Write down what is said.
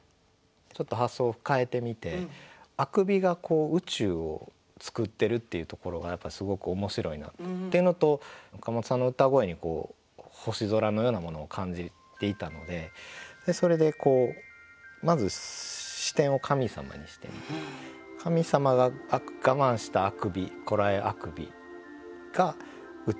ちょっと発想を変えてみてあくびが宇宙を作ってるっていうところがすごく面白いなと。っていうのと岡本さんの歌声に星空のようなものを感じていたのでそれでまず視点を「神様」にしてみて神様が我慢したあくび「こらえあくび」が「宇宙」そこ膨らんだものが宇宙の源になっているというような発想ですね。